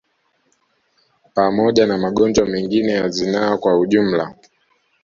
Pamoja na magonjwa mengine ya zinaa kwa ujumla